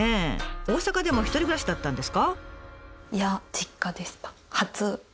大阪でも１人暮らしだったんですか？